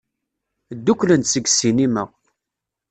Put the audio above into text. Ddukklen-d seg ssinima.